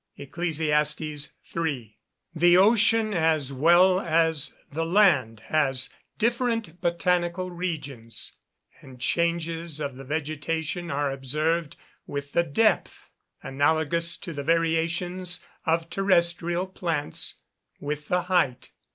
ECCLESIASTES III.] The ocean as well as the land has different botanical regions; and changes of the vegetation are observed with the depth analogous to the variations of terrestrial plants with the height.